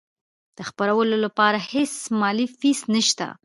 د خپرولو لپاره هیڅ مالي فیس نشته.